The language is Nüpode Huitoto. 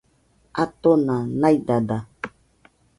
Atona naidada